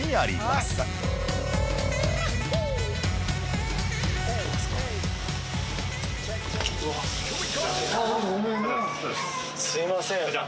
すみません。